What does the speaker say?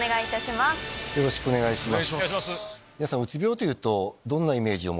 よろしくお願いします。